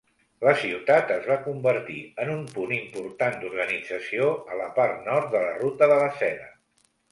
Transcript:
La ciutat es va convertir en un punt important d'organització a la part nord de la ruta de la seda.